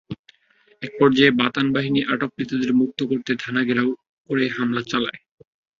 একপর্যায়ে বাতান বাহিনী আটককৃতদের মুক্ত করতে থানা ঘেরাও করে হামলা চালায়।